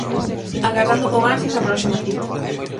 Agardando con ansias a próxima cita.